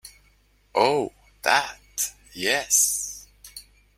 Oh, that, yes.